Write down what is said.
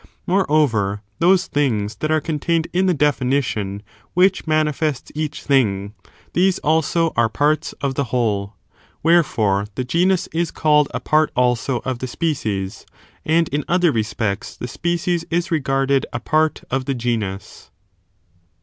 Moreover, those things that are contained in the definition which manifests each thing, these also are parts of the whole. Wherefore, the genus is <mlled a part also of the species, and in other respects the species is reg£urded a part of the genus.